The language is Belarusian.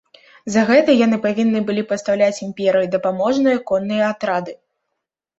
За гэта яны павінны былі пастаўляць імперыі дапаможныя конныя атрады.